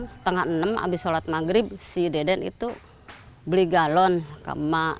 setengah enam habis sholat maghrib si deden itu beli galon ke emak